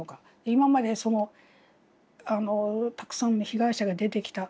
今までたくさんの被害者が出てきた。